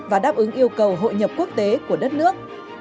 và đáp ứng yêu cầu hội nhập quốc tế của đất nước